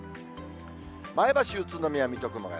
前橋、宇都宮、水戸、熊谷。